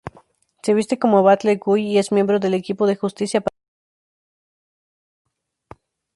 Se viste como Battle Guy y es miembro del equipo de Justicia para siempre.